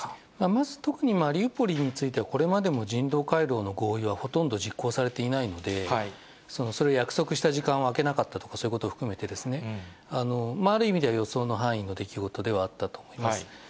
まず特にマリウポリについては、これまでも人道回廊の合意はほとんど実行されていないので、それを約束した時間をあけなかったとか、そういうことを含めてですね、ある意味では、予想の範囲の出来事ではあったと思います。